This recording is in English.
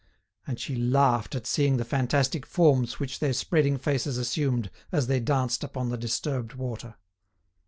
And she laughed at seeing the fantastic forms which their spreading faces assumed as they danced upon the disturbed water.